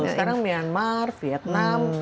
sekarang myanmar vietnam